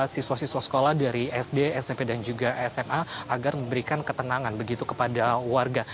siswa siswa sekolah dari sd smp dan juga sma agar memberikan ketenangan begitu kepada warga